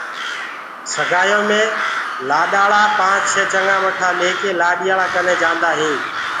سگآيو مي لآڏآݪآ پآنچ چهي چگآ مٺآ گڏ هوڪي لآڏيآلآ ڪني جاندآ هينٚ